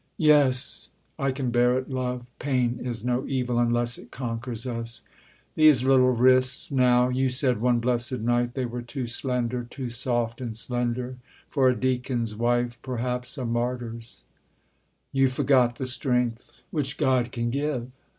Yes; I can bear it, love. Pain is no evil Unless it conquers us. These little wrists, now You said, one blessed night, they were too slender, Too soft and slender for a deacon's wife Perhaps a martyr's: You forgot the strength Which God can give.